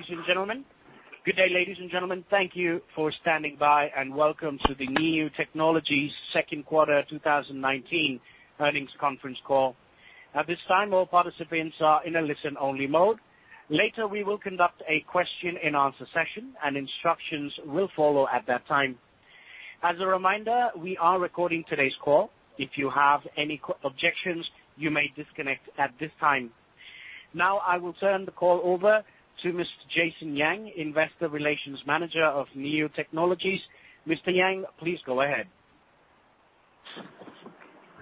Ladies and gentlemen. Good day, ladies and gentlemen. Thank you for standing by, and welcome to the NIU Technologies second quarter 2019 earnings conference call. At this time, all participants are in a listen-only mode. Later, we will conduct a question-and-answer session, and instructions will follow at that time. As a reminder, we are recording today's call. If you have any objections, you may disconnect at this time. Now I will turn the call over to Mr. Jason Yang, Investor Relations Manager of NIU Technologies. Mr. Yang, please go ahead.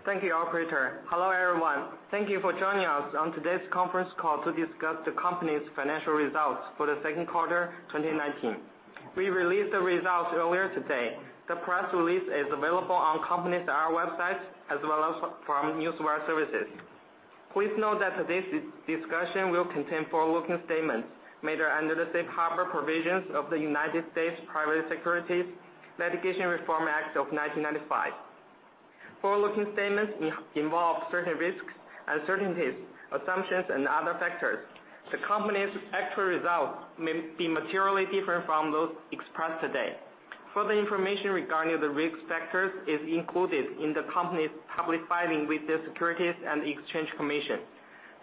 Thank you, operator. Hello, everyone. Thank you for joining us on today's conference call to discuss the company's financial results for the second quarter 2019. We released the results earlier today. The press release is available on company's IR website as well as from news wire services. Please note that today's discussion will contain forward-looking statements made under the safe harbor provisions of the United States Private Securities Litigation Reform Act of 1995. Forward-looking statements involve certain risks, uncertainties, assumptions, and other factors. The company's actual results may be materially different from those expressed today. Further information regarding the risk factors is included in the company's public filing with the Securities and Exchange Commission.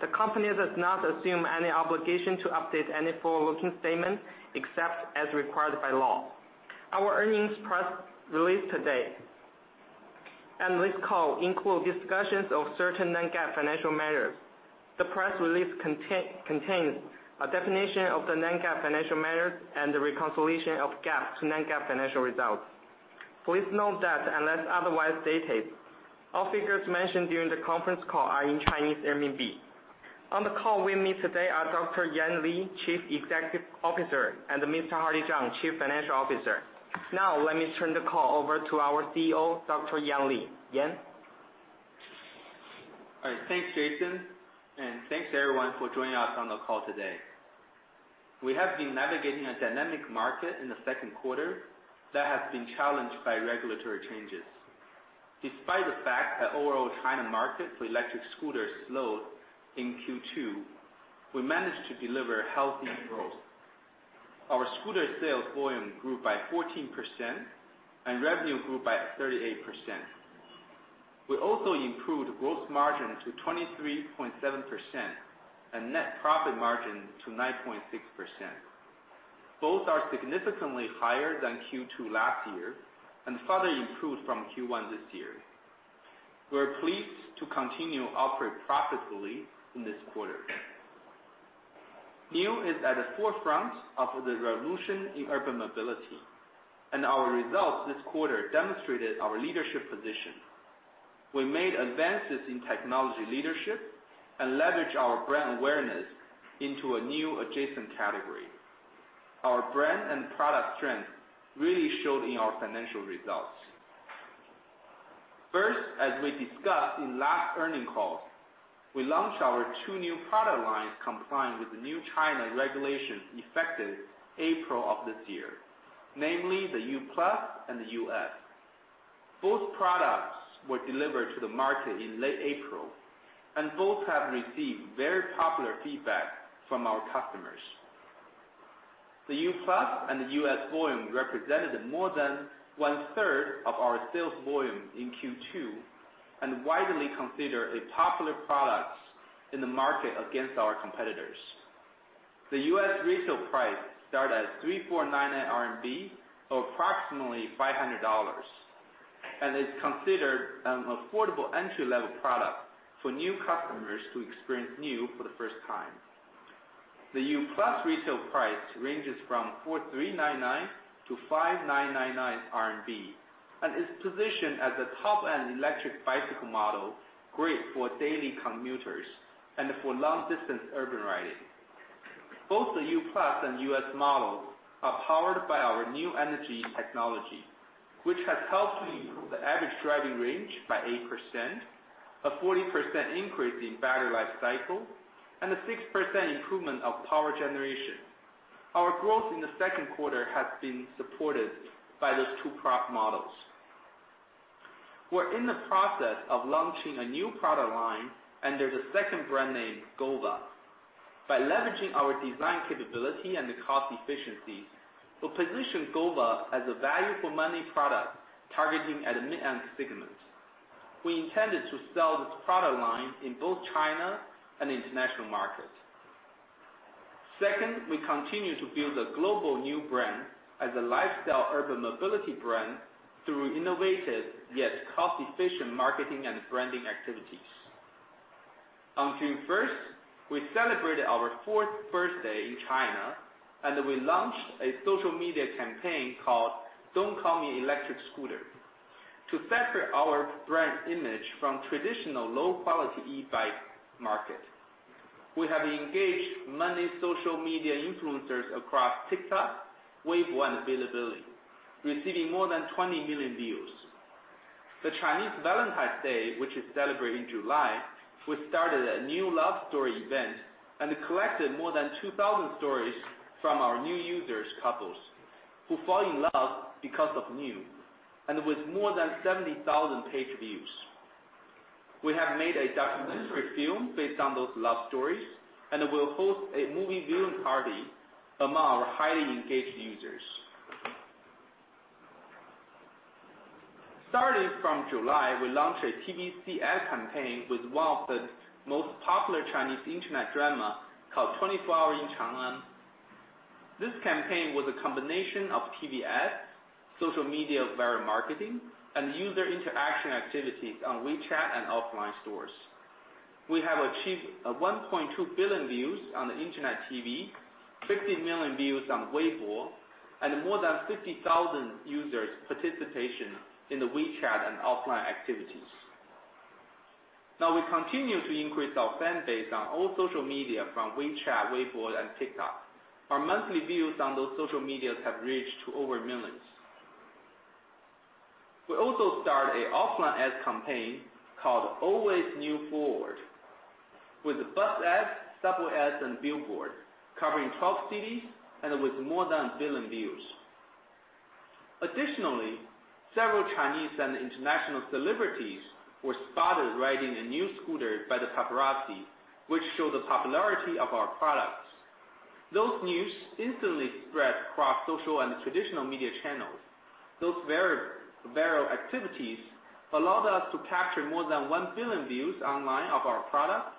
The company does not assume any obligation to update any forward-looking statements except as required by law. Our earnings press release today, this call includes discussions of certain non-GAAP financial measures. The press release contains a definition of the non-GAAP financial measures and the reconciliation of GAAP to non-GAAP financial results. Please note that unless otherwise stated, all figures mentioned during the conference call are in Chinese Renminbi. On the call with me today are Dr. Yan Li, Chief Executive Officer, and Mr. Hardy Zhang, Chief Financial Officer. Let me turn the call over to our CEO, Dr. Yan Li. Yan? All right. Thanks, Jason, and thanks, everyone, for joining us on the call today. We have been navigating a dynamic market in the second quarter that has been challenged by regulatory changes. Despite the fact that overall China market for electric scooters slowed in Q2, we managed to deliver healthy growth. Our scooter sales volume grew by 14%. Revenue grew by 38%. We also improved gross margin to 23.7% and net profit margin to 9.6%. Both are significantly higher than Q2 last year and further improved from Q1 this year. We're pleased to continue operating profitably in this quarter. NIU is at the forefront of the revolution in urban mobility, and our results this quarter demonstrated our leadership position. We made advances in technology leadership and leveraged our brand awareness into a new adjacent category. Our brand and product strength really showed in our financial results. First, as we discussed in last earnings call, we launched our two new product lines complying with the new China regulation effective April of this year, namely the U+ and the Us. Both products were delivered to the market in late April. Both have received very popular feedback from our customers. The U+ and the Us volume represented more than 1/3 of our sales volume in Q2 and widely considered a popular product in the market against our competitors. The Us retail price starts at 3,499 RMB, or approximately $500, is considered an affordable entry-level product for new customers to experience NIU for the first time. The U+ retail price ranges from 4,399-5,999 RMB and is positioned as a top-end electric bicycle model, great for daily commuters and for long-distance urban riding. Both the U+ and Us models are powered by our new energy technology, which has helped to improve the average driving range by 8%, a 40% increase in battery life cycle, and a 6% improvement of power generation. Our growth in the second quarter has been supported by those two product models. We're in the process of launching a new product line under the second brand name, Gova. By leveraging our design capability and the cost efficiencies, we position Gova as a value-for-money product targeting at a mid-end segment. We intended to sell this product line in both China and the international market. Second, we continue to build a global NIU brand as a lifestyle urban mobility brand through innovative yet cost-efficient marketing and branding activities. On June 1st, we celebrated our fourth birthday in China. We launched a social media campaign called "Don't Call Me Electric Scooter" to separate our brand image from traditional low-quality e-bike market. We have engaged many social media influencers across TikTok, Weibo, and Bilibili, receiving more than 20 million views. The Chinese Valentine's Day, which is celebrated in July, we started a new love story event and collected more than 2,000 stories from couples who fall in love because of NIU, and with more than 70,000 page views. We have made a documentary film based on those love stories. We will host a movie viewing party among our highly engaged users. Starting from July, we launched a TV ad campaign with one of the most popular Chinese internet drama, called ["The Longest Day in Chang'an"]. This campaign was a combination of TV ads, social media viral marketing, and user interaction activities on WeChat and offline stores. We have achieved a 1.2 billion views on the internet TV, 50 million views on Weibo, and more than 50,000 users participation in the WeChat and offline activities. We continue to increase our fan base on all social media from WeChat, Weibo, and TikTok. Our monthly views on those social medias have reached to over millions. We also start a offline ad campaign called Always NIU Forward, with bus ads, subway ads, and billboard, covering 12 cities and with more than a billion views. Several Chinese and international celebrities were spotted riding a NIU scooter by the paparazzi, which show the popularity of our products. Those news instantly spread across social and traditional media channels. Those viral activities allowed us to capture more than 1 billion views online of our product,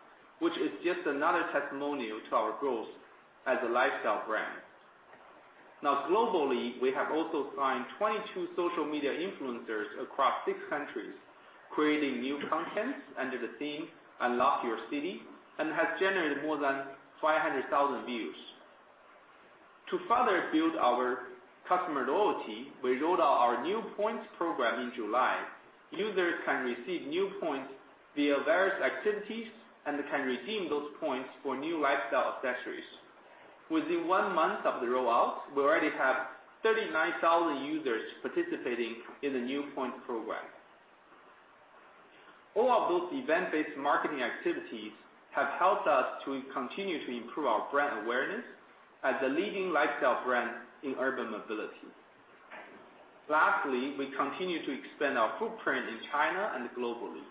which is just another testimonial to our growth as a lifestyle brand. Now globally, we have also signed 22 social media influencers across six countries, creating new content under the theme, "Unlock Your City," and has generated more than 500,000 views. To further build our customer loyalty, we rolled out our NIU Points Program in July. Users can receive NIU Points via various activities and can redeem those points for NIU lifestyle accessories. Within one month of the rollout, we already have 39,000 users participating in the NIU Points Program. All of those event-based marketing activities have helped us to continue to improve our brand awareness as a leading lifestyle brand in urban mobility. Lastly, we continue to expand our footprint in China and globally.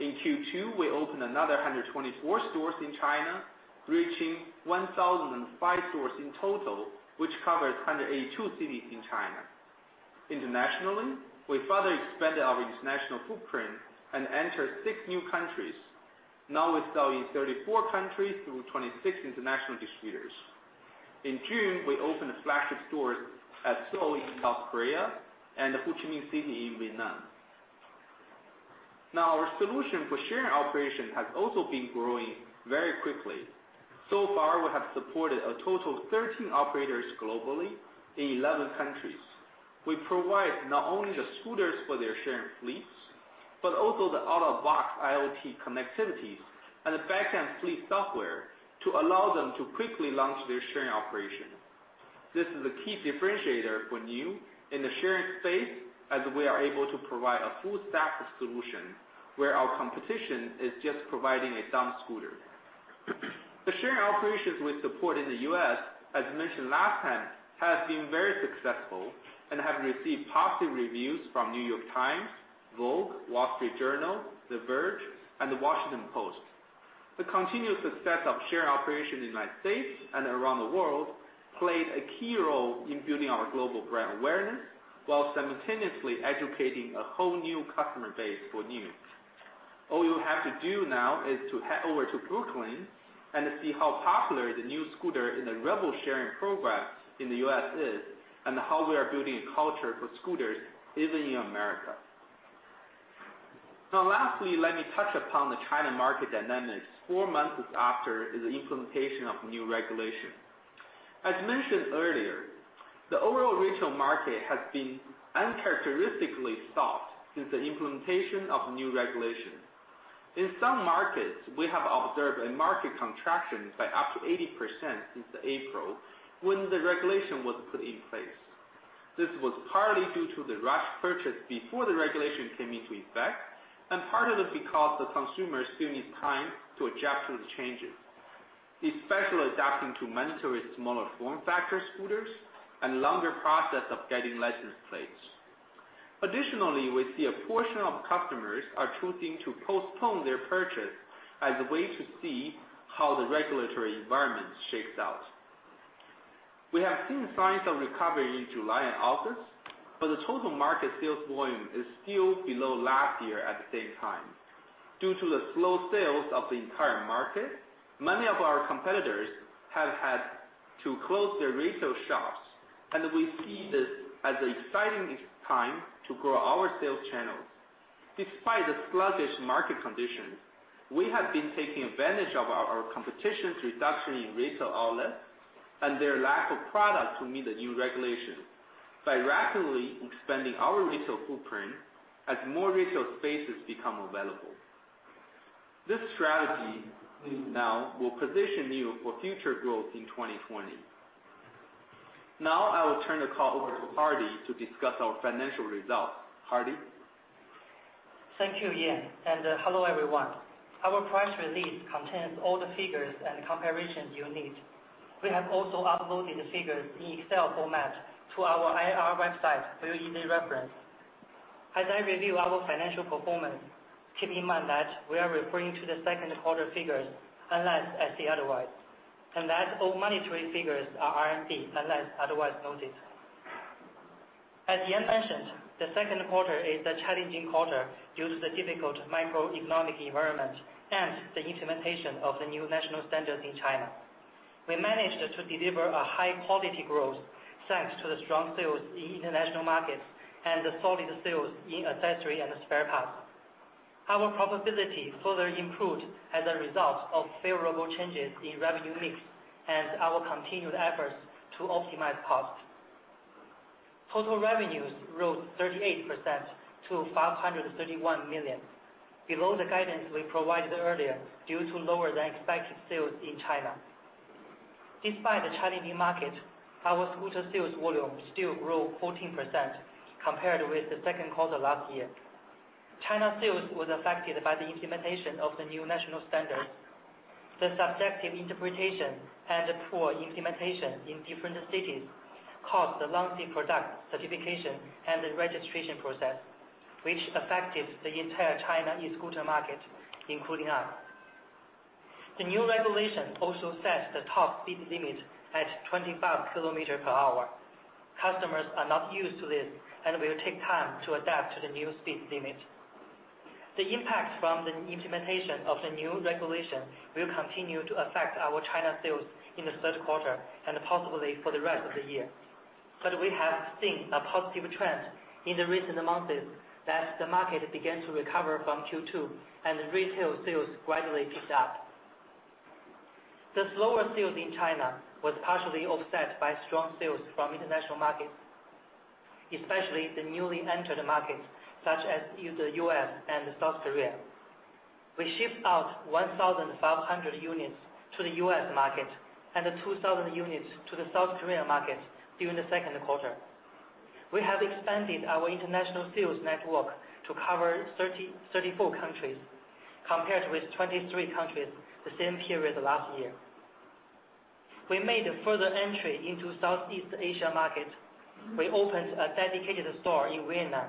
In Q2, we opened another 124 stores in China, reaching 1,005 stores in total, which covers 182 cities in China. Internationally, we further expanded our international footprint and entered six new countries. Now we sell in 34 countries through 26 international distributors. In June, we opened flagship stores at Seoul in South Korea and Ho Chi Minh City in Vietnam. Now our solution for sharing operation has also been growing very quickly. So far, we have supported a total of 13 operators globally in 11 countries. We provide not only the scooters for their sharing fleets, but also the out-of-box IoT connectivities and the backend fleet software to allow them to quickly launch their sharing operation. This is a key differentiator for NIU in the sharing space, as we are able to provide a full stack solution, where our competition is just providing a dumb scooter. The sharing operations we support in the U.S., as mentioned last time, has been very successful and have received positive reviews from The New York Times, Vogue, The Wall Street Journal, The Verge, and The Washington Post. The continued success of sharing operation in U.S. and around the world played a key role in building our global brand awareness, while simultaneously educating a whole new customer base for NIU. All you have to do now is to head over to Brooklyn and see how popular the NIU scooter in the Revel sharing program in the U.S. is, and how we are building a culture for scooters even in America. Lastly, let me touch upon the China market dynamics four months after the implementation of new regulation. As mentioned earlier, the overall regional market has been uncharacteristically soft since the implementation of new regulation. In some markets, we have observed a market contraction by up to 80% since the April, when the regulation was put in place. This was partly due to the rush purchase before the regulation came into effect, and partly because the consumers still need time to adjust to the changes, especially adapting to mandatory smaller form factor scooters and longer process of getting license plates. Additionally, we see a portion of customers are choosing to postpone their purchase as a way to see how the regulatory environment shakes out. We have seen signs of recovery in July and August, the total market sales volume is still below last year at the same time. Due to the slow sales of the entire market, many of our competitors have had to close their retail shops, we see this as an exciting time to grow our sales channels. Despite the sluggish market conditions, we have been taking advantage of our competition's reduction in retail outlets and their lack of product to meet the new regulation, by rapidly expanding our retail footprint as more retail spaces become available. This strategy now will position NIU for future growth in 2020. Now I will turn the call over to Hardy to discuss our financial results. Hardy? Thank you, Yan, and hello everyone. Our press release contains all the figures and comparisons you need. We have also uploaded the figures in Excel format to our IR website for your easy reference. As I review our financial performance, keep in mind that we are referring to the second quarter figures, unless I say otherwise, and that all monetary figures are RMB, unless otherwise noted. As Yan mentioned, the second quarter is a challenging quarter due to the difficult macroeconomic environment and the implementation of the new national standards in China. We managed to deliver a high-quality growth, thanks to the strong sales in international markets and the solid sales in accessory and spare parts. Our profitability further improved as a result of favorable changes in revenue mix and our continued efforts to optimize costs. Total revenues rose 38% to 531 million, below the guidance we provided earlier due to lower-than-expected sales in China. Despite the challenging market, our scooter sales volume still grew 14% compared with the second quarter last year. China sales was affected by the implementation of the new national standards. The subjective interpretation and poor implementation in different cities caused a lengthy product certification and the registration process, which affected the entire China e-scooter market, including us. The new regulation also sets the top speed limit at 25 km per hour. Customers are not used to this and will take time to adapt to the new speed limit. The impact from the implementation of the new regulation will continue to affect our China sales in the third quarter, and possibly for the rest of the year. We have seen a positive trend in the recent months that the market began to recover from Q2 and retail sales gradually picked up. The slower sales in China was partially offset by strong sales from international markets, especially the newly entered markets such as the U.S. and South Korea. We shipped out 1,500 units to the U.S. market and 2,000 units to the South Korea market during the second quarter. We have expanded our international sales network to cover 34 countries, compared with 23 countries the same period last year. We made a further entry into Southeast Asia market. We opened a dedicated store in Vietnam,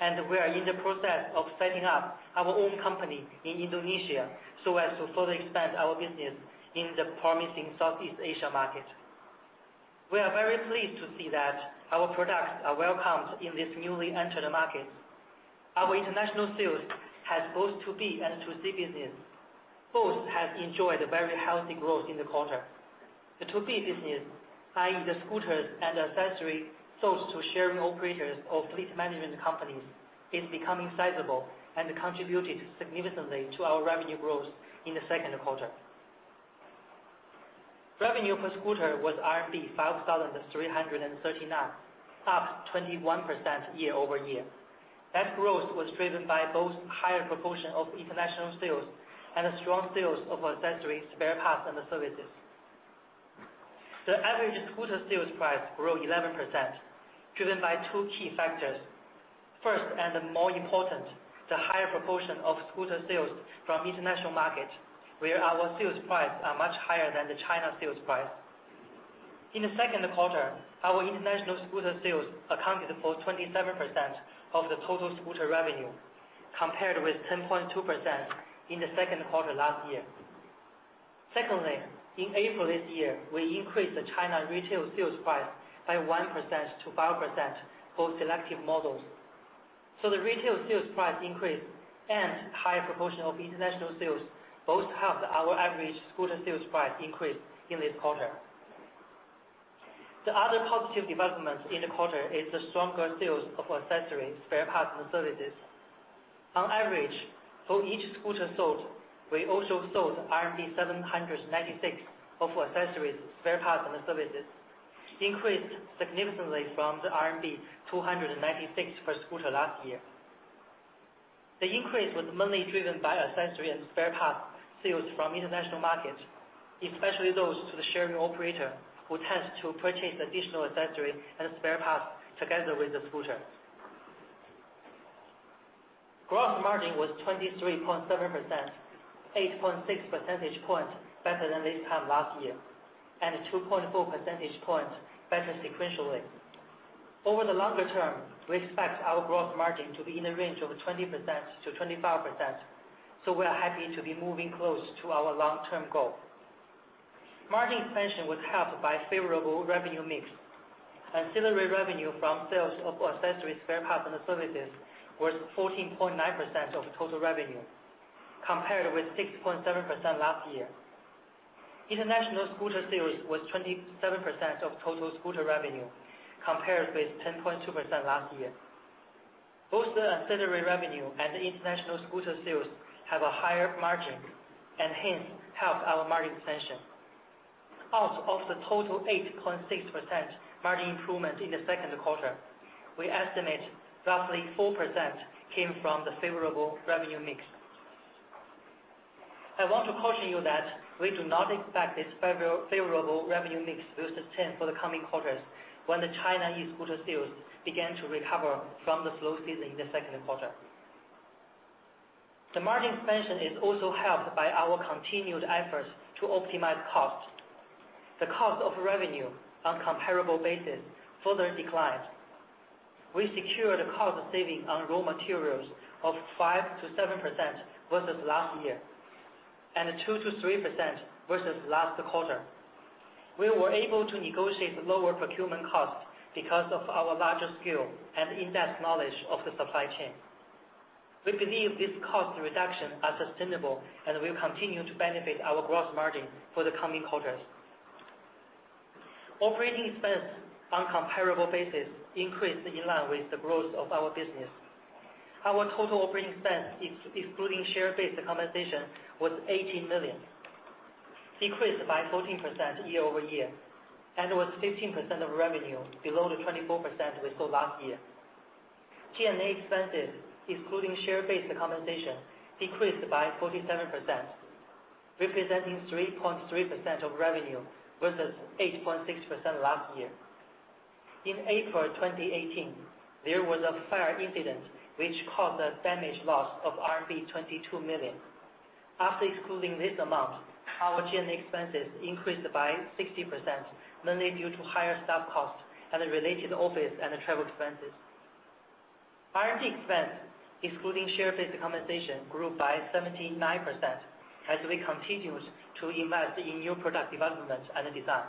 and we are in the process of setting up our own company in Indonesia so as to further expand our business in the promising Southeast Asia market. We are very pleased to see that our products are welcomed in these newly entered markets. Our international sales has both 2B and 2C business. Both have enjoyed a very healthy growth in the quarter. The 2B business, i.e., the scooters and accessories sold to sharing operators or fleet management companies, is becoming sizable and contributed significantly to our revenue growth in the second quarter. Revenue per scooter was RMB 5,339, up 21% year-over-year. That growth was driven by both higher proportion of international sales and the strong sales of accessories, spare parts, and the services. The average scooter sales price grew 11%, driven by two key factors. First, and more important, the higher proportion of scooter sales from international markets, where our sales price are much higher than the China sales price. In the second quarter, our international scooter sales accounted for 27% of the total scooter revenue, compared with 10.2% in the second quarter last year. In April this year, we increased the China retail sales price by 1% to 5% for selective models. The retail sales price increase and higher proportion of international sales both helped our average scooter sales price increase in this quarter. The other positive development in the quarter is the stronger sales of accessories, spare parts, and services. On average, for each scooter sold, we also sold 796 of accessories, spare parts, and services, increased significantly from the RMB 296 per scooter last year. The increase was mainly driven by accessory and spare parts sales from international markets, especially those to the sharing operator, who tends to purchase additional accessory and spare parts together with the scooter. Gross margin was 23.7%, 8.6 percentage points better than this time last year, and 2.4 percentage points better sequentially. Over the longer term, we expect our gross margin to be in the range of 20%-25%. We are happy to be moving close to our long-term goal. Margin expansion was helped by favorable revenue mix. Ancillary revenue from sales of accessories, spare parts, and services was 14.9% of total revenue, compared with 6.7% last year. International scooter sales was 27% of total scooter revenue, compared with 10.2% last year. Both the ancillary revenue and the international scooter sales have a higher margin. Hence, help our margin expansion. Out of the total 8.6% margin improvement in the second quarter, we estimate roughly 4% came from the favorable revenue mix. I want to caution you that we do not expect this favorable revenue mix to sustain for the coming quarters when the Chinese scooter sales begin to recover from the slow season in the second quarter. The margin expansion is also helped by our continued efforts to optimize costs. The cost of revenue on comparable basis further declined. We secured cost savings on raw materials of 5%-7% versus last year, and 2%-3% versus last quarter. We were able to negotiate lower procurement costs because of our larger scale and in-depth knowledge of the supply chain. We believe these cost reductions are sustainable and will continue to benefit our gross margin for the coming quarters. Operating expense on comparable basis increased in line with the growth of our business. Our total operating expense, excluding share-based compensation, was 18 million, decreased by 14% year-over-year, and was 15% of revenue, below the 24% we saw last year. G&A expenses, excluding share-based compensation, decreased by 47%, representing 3.3% of revenue versus 8.6% last year. In April 2018, there was a fire incident which caused a damage loss of RMB 22 million. After excluding this amount, our G&A expenses increased by 60%, mainly due to higher staff costs and related office and travel expenses. R&D expense, excluding share-based compensation, grew by 79% as we continued to invest in new product development and design.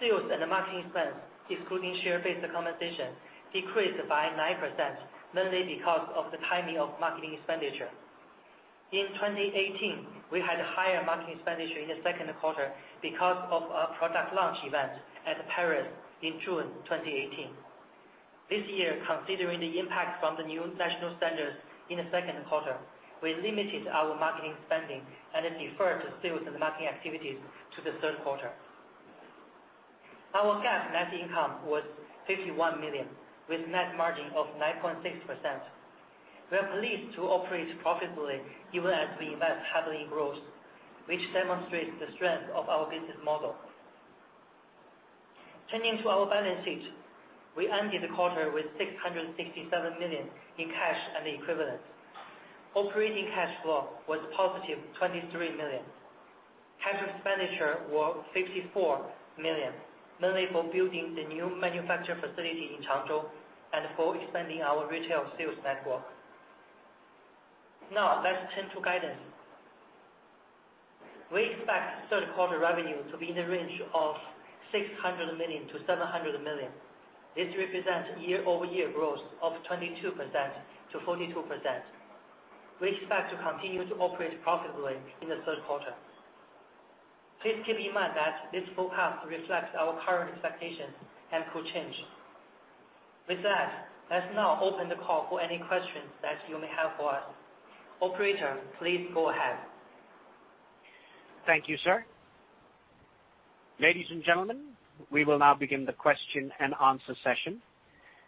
Sales and marketing expense, excluding share-based compensation, decreased by 9%, mainly because of the timing of marketing expenditure. In 2018, we had higher marketing expenditure in the second quarter because of a product launch event at Paris in June 2018. This year, considering the impact from the new national standards in the second quarter, we limited our marketing spending and deferred sales and marketing activities to the third quarter. Our GAAP net income was 51 million with a net margin of 9.6%. We are pleased to operate profitably even as we invest heavily in growth, which demonstrates the strength of our business model. Turning to our balance sheet, we ended the quarter with 667 million in cash and equivalents. Operating cash flow was positive 23 million. Cash expenditures were 54 million, mainly for building the new manufacturing facility in Changzhou and for expanding our retail sales network. Let's turn to guidance. We expect third quarter revenue to be in the range of 600 million-700 million. This represents year-over-year growth of 22% to 42%. We expect to continue to operate profitably in the third quarter. Please keep in mind that this forecast reflects our current expectations and could change. With that, let's now open the call for any questions that you may have for us. Operator, please go ahead. Thank you, sir. Ladies and gentlemen, we will now begin the question-and-answer session.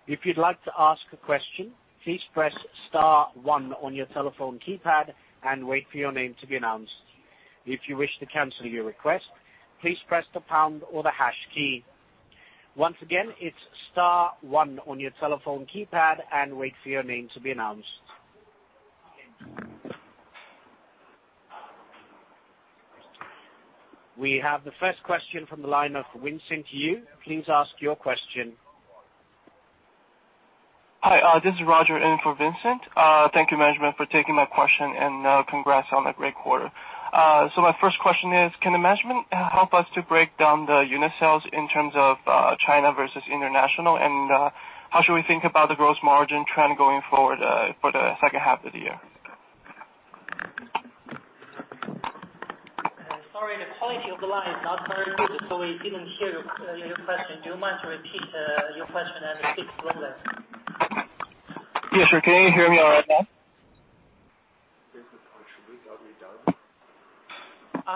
If you'd like to ask a question, please press star one on your telephone keypad and wait for your name to be announced. If you wish to cancel your request, please press the pound or the hash key. Once again, it's star one on your telephone keypad and wait for your name to be announced. We have the first question from the line of Vincent Yu. Please ask your question. Hi. This is Roger in for Vincent. Thank you, management, for taking my question, and congrats on a great quarter. My first question is, can the management help us to break down the unit sales in terms of China versus international? How should we think about the gross margin trend going forward for the second half of the year? Sorry, the quality of the line is not very good. We didn't hear your question. Do you mind to repeat your question and repeat slower? Yes, sir. Can you hear me all right now?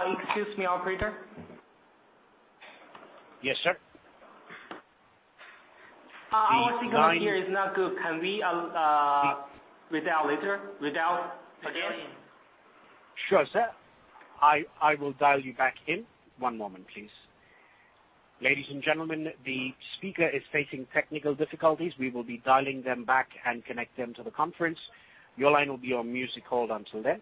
Excuse me, operator. Yes, sir. Our signal here is not good. Can we redial later? Redial again? Sure, sir. I will dial you back in. One moment, please. Ladies and gentlemen, the speaker is facing technical difficulties. We will be dialing them back and connect them to the conference. Your line will be on music hold until then.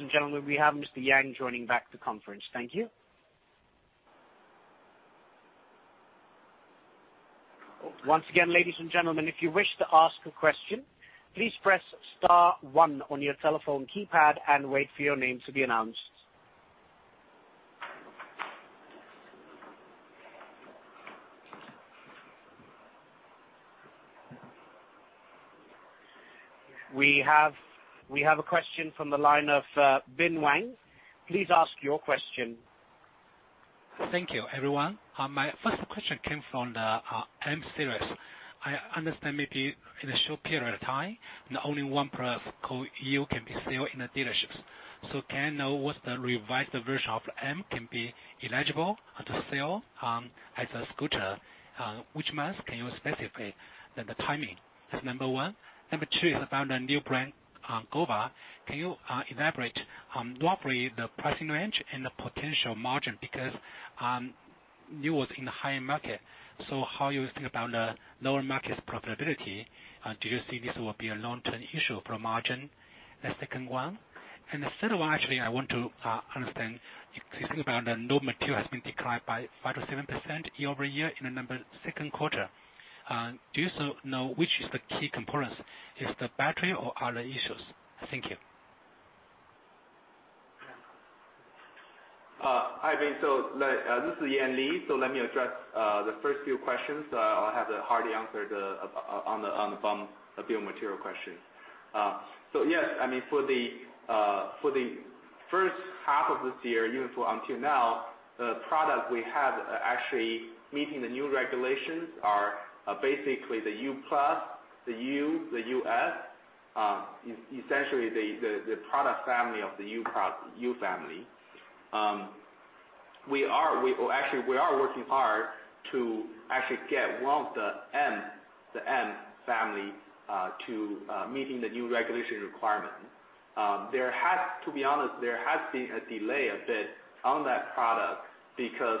Ladies and gentlemen, we have Mr. Yang joining back the conference. Thank you. Once again, ladies and gentlemen, if you wish to ask a question, please press star one on your telephone keypad and wait for your name to be announced. We have a question from the line of Bin Wang. Please ask your question. Thank you, everyone. My first question came from the M-Series. I understand maybe in a short period of time, only one product called U can be sold in the dealerships. Can I know what the revised version of M can be eligible to sell as a scooter? Which month can you specify the timing? That's number one. Number two is about the new brand, Gova. Can you elaborate roughly the pricing range and the potential margin, because NIU was in the high market, how you think about the lower market profitability? Do you see this will be a long-term issue for margin? That's the second one. The third one, actually, I want to understand, you think about the raw material has been declined by 5%-7% year-over-year in the second quarter. Do you know which is the key components? Is it the battery or other issues? Thank you. Hi, Bin. This is Yan Li. Let me address the first few questions, I'll have Hardy answer on the raw material question. Yes, for the first half of this year, even until now, the product we have actually meeting the new regulations are basically the U+, the U, the Us, essentially the product family of the U-Series. Actually, we are working hard to actually get one of the M-Series to meeting the new regulation requirement. To be honest, there has been a delay a bit on that product because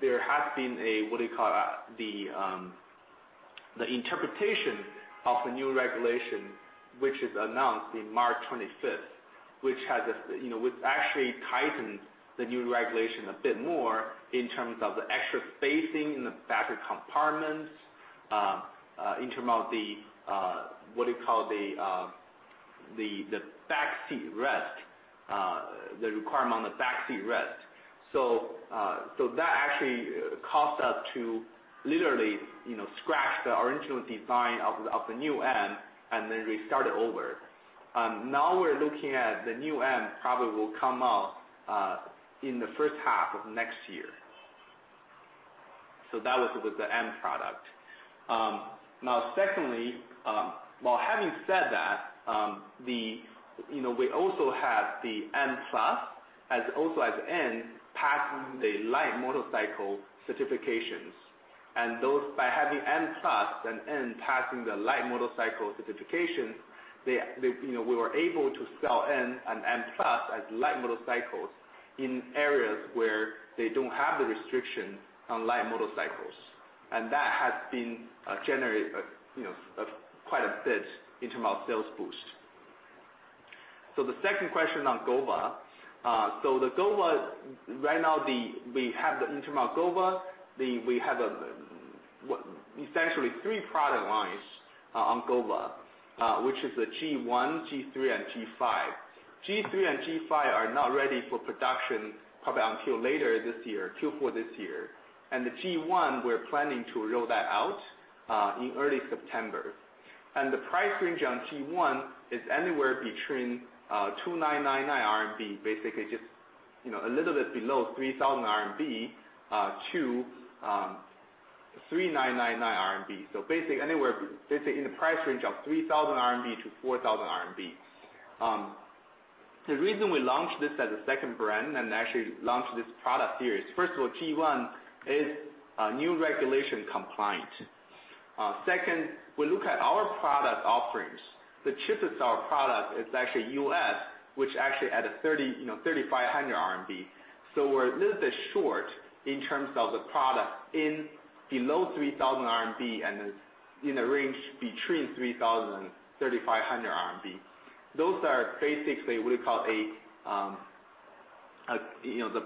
there has been a, what do you call, the interpretation of the new regulation, which is announced in March 25th. Which actually tightened the new regulation a bit more in terms of the extra spacing in the battery compartments, in terms of the back seat rest, the requirement on the back seat rest. That actually caused us to literally scratch the original design of the new M and then restart it over. We're looking at the new M probably will come out in the first half of next year. That was with the M product. Secondly, while having said that, we also have the M+ as also as NGT passing the light motorcycle certifications. By having M+ and NGT passing the light motorcycle certifications, we were able to sell N and M+ as light motorcycles in areas where they don't have the restriction on light motorcycles. That has been generating quite a bit in terms of sales boost. The second question on Gova. The Gova, right now we have in terms of Gova, we have essentially three product lines on Gova which is the G1, G3, and G5. G3 and G5 are not ready for production probably until later this year, Q4 this year. The G1, we're planning to roll that out in early September. The price range on G1 is anywhere between 2,999 RMB, basically just a little bit below 3,000 RMB to 3,999 RMB. Basically anywhere in the price range of 3,000 RMB to 4,000 RMB. The reason we launched this as a second brand and actually launched this product here is, first of all, G1 is new regulation compliant. Second, we look at our product offerings. The cheapest of our product is actually Us, which actually at a 3,500 RMB. We're a little bit short in terms of the product in below 3,000 RMB and in a range between 3,000 and 3,500 RMB. Those are basically what you call the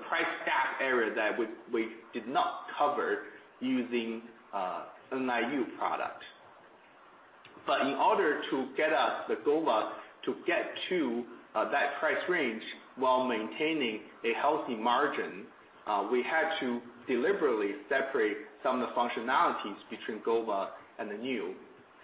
price gap area that we did not cover using the NIU product. In order to get us, the Gova, to get to that price range while maintaining a healthy margin, we had to deliberately separate some of the functionalities between Gova and the NIU.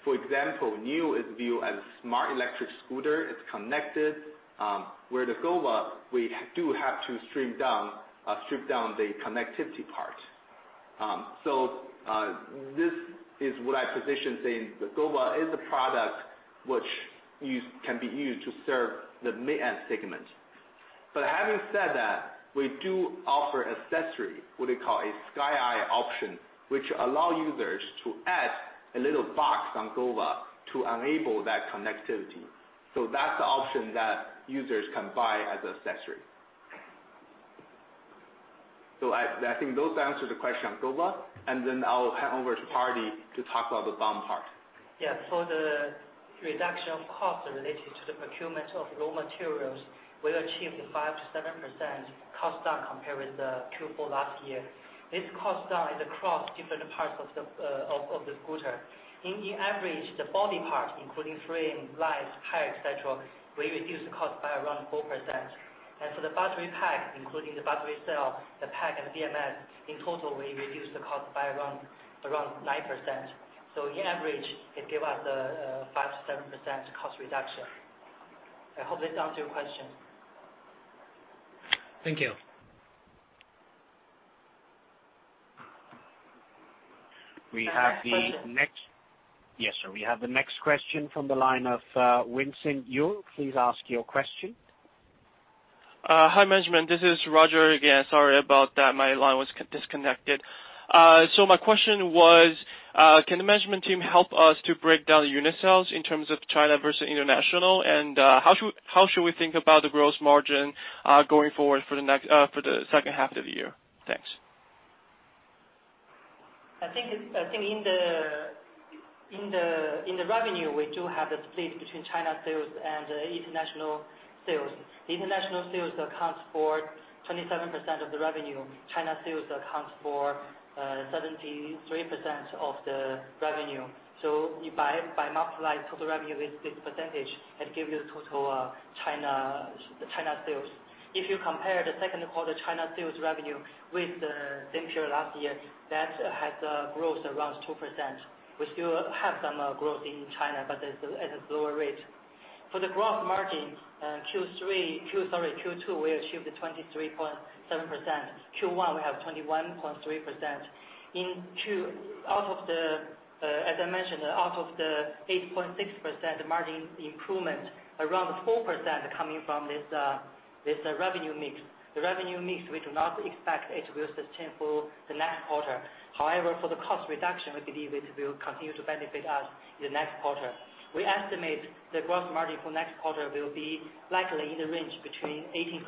For example, NIU is viewed as a smart electric scooter, it's connected. The Gova, we do have to strip down the connectivity part. This is what I position saying the Gova is a product which can be used to serve the mid-end segment. Having said that, we do offer accessory, what we call a sky eye option, which allow users to add a little box on Gova to enable that connectivity. That's the option that users can buy as accessory. I think those answer the question on Gova, and then I'll hand over to Hardy to talk about the bottom part. Yeah. The reduction of cost related to the procurement of raw materials, we achieved 5%-7% cost down compared with the Q4 last year. This cost down is across different parts of the scooter. In the average, the body part, including frame, lights, tire, et cetera, we reduce the cost by around 4%. For the battery pack, including the battery cell, the pack, and BMS, in total, we reduce the cost by around 9%. In average, it give us a 5%-7% cost reduction. I hope this answers your question. Thank you. We have the next- Yes, sir. We have the next question from the line of Vincent Yu. Please ask your question. Hi, management. This is Roger again. Sorry about that. My line was disconnected. My question was, can the management team help us to break down unit sales in terms of China versus international? How should we think about the gross margin going forward for the next, for the second half of the year? Thanks. I think in the revenue, we do have the split between China sales and international sales. International sales accounts for 27% of the revenue. China sales accounts for 73% of the revenue. By multiply total revenue with this percentage, that give you the total China sales. If you compare the second quarter China sales revenue with the same period last year, that has a growth around 2%. We still have some growth in China, but at a slower rate. For the gross margin, Q2, we achieved 23.7%. Q1, we have 21.3%. Out of the, as I mentioned, out of the 8.6% margin improvement, around 4% coming from this revenue mix. Revenue mix, we do not expect it will sustain for the next quarter. For the cost reduction, we believe it will continue to benefit us in the next quarter. We estimate the gross margin for next quarter will be likely in the range between 18%-20%.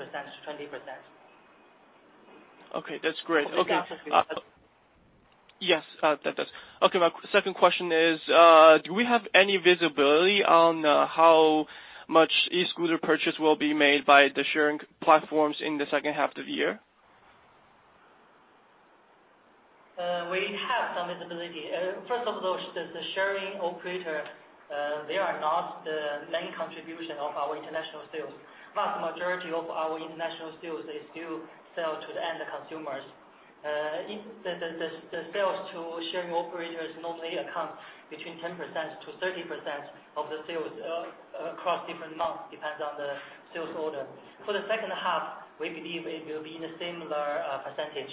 Okay. That's great. Okay. Hope this answers your question. Yes, that does. Okay. My second question is, do we have any visibility on how much e-scooter purchase will be made by the sharing platforms in the second half of the year? We have some visibility. First of those, the sharing operator, they are not the main contribution of our international sales. Vast majority of our international sales, they still sell to the end consumers. The sales to sharing operators normally account between 10%-30% of the sales across different months, depends on the sales order. For the second half, we believe it will be in a similar percentage.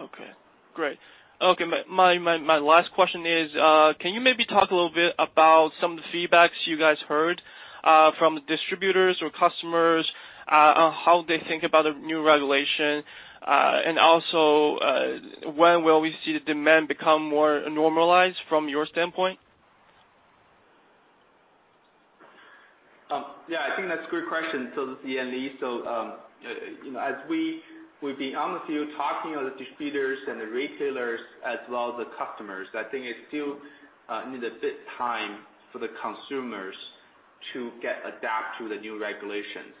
Okay. Great. Okay. My last question is, can you maybe talk a little bit about some of the feedback you guys heard from the distributors or customers on how they think about the new regulation? Also, when will we see the demand become more normalized from your standpoint? Yeah, I think that's a great question. The CNE, as we've been on the field talking to the distributors and the retailers as well as the customers, I think it still need a bit time for the consumers to get adapt to the new regulations.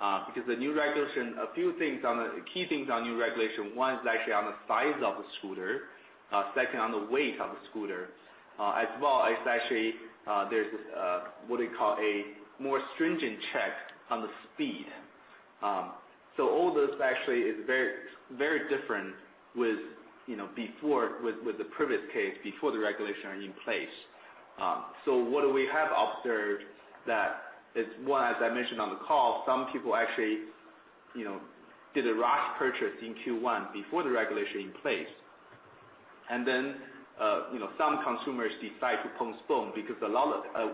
The new regulation, key things on new regulation, one is actually on the size of the scooter, second on the weight of the scooter. There's what they call a more stringent check on the speed. All those actually is very different with before, with the previous case, before the regulation are in place. What we have observed that is, one, as I mentioned on the call, some people actually did a rush purchase in Q1 before the regulation in place. Some consumers decide to postpone because a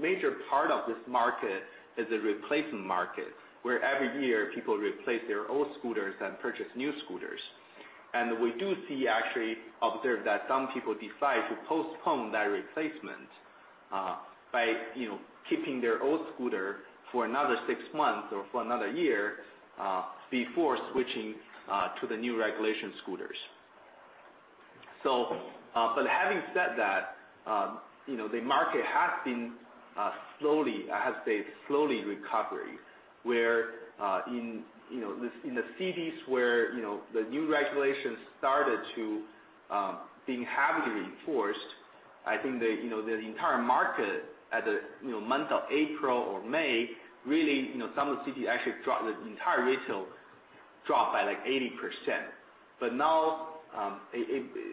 major part of this market is a replacement market, where every year people replace their old scooters and purchase new scooters. We do see, actually observe that some people decide to postpone that replacement by keeping their old scooter for another six months or for another year before switching to the new regulation scooters. Having said that, the market has been slowly, I have to say, slowly recovering, where in the cities where the new regulations started to being heavily enforced, I think the entire market at the month of April or May, really, some of the cities actually dropped, the entire retail dropped by, like, 80%. Now,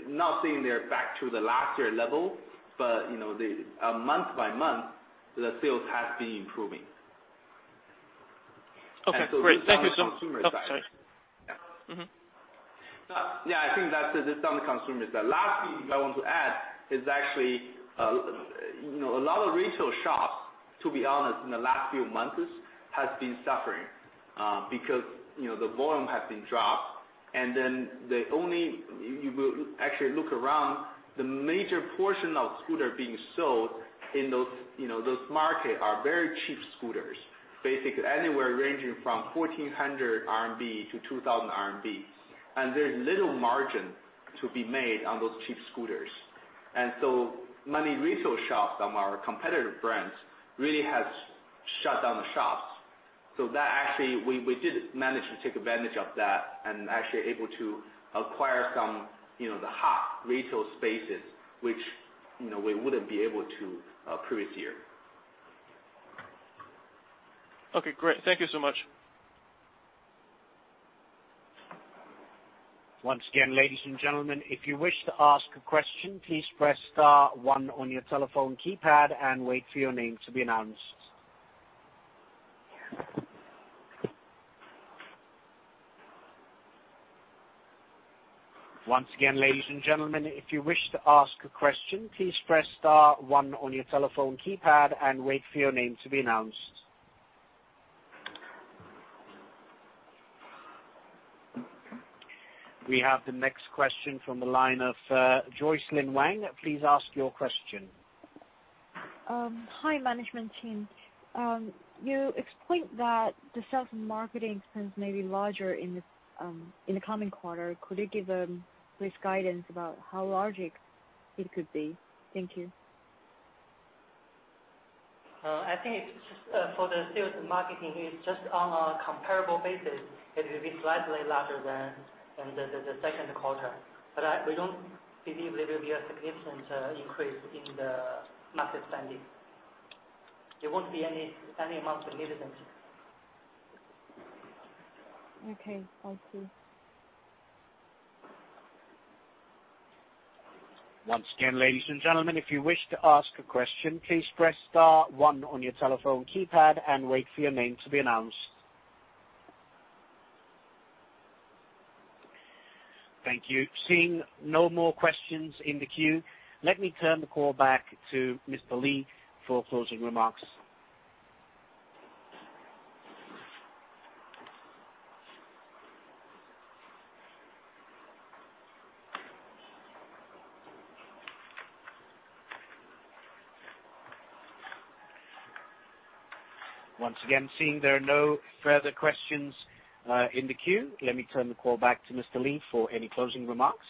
not saying they're back to the last year level, but month by month, the sales has been improving. Okay. Great. Thank you. This is on the consumer side. Oh, sorry. Yeah. Mm-hmm. I think that's it on the consumer. The last thing I want to add is actually, a lot of retail shops, to be honest, in the last few months, have been suffering because the volume has been dropped, and then you will actually look around, the major portion of scooter being sold in those market are very cheap scooters, basically anywhere ranging from 1,400 RMB to 2,000 RMB. There's little margin to be made on those cheap scooters. Many retail shops from our competitor brands really has shut down the shops. That actually, we did manage to take advantage of that and actually able to acquire some of the hot retail spaces, which we wouldn't be able to previous year. Okay, great. Thank you so much. Once again, ladies and gentlemen, if you wish to ask a question, please press star one on your telephone keypad and wait for your name to be announced. We have the next question from the line of Joyce Lin Wang. Please ask your question. Hi, management team. You explained that the sales and marketing expense may be larger in the coming quarter. Could you give please guidance about how large it could be? Thank you. I think for the sales and marketing is just on a comparable basis, it will be slightly larger than the second quarter. We don't believe there will be a significant increase in the market spending. There won't be any amount significant. Okay, thank you. Once again, ladies and gentlemen, if you wish to ask a question, please press star one on your telephone keypad and wait for your name to be announced. Thank you. Seeing no more questions in the queue, let me turn the call back to Mr. Li for closing remarks. Once again, seeing there are no further questions in the queue, let me turn the call back to Mr. Li for any closing remarks.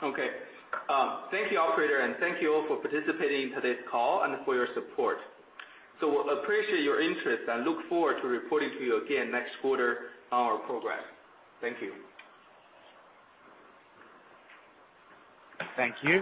Thank you, operator, and thank you all for participating in today's call and for your support. Appreciate your interest and look forward to reporting to you again next quarter on our progress. Thank you. Thank you.